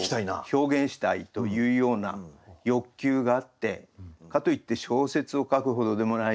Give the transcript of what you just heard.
表現したいというような欲求があってかといって小説を書くほどでもないし。